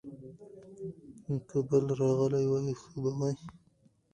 که بل راغلی وای، ښه به وای.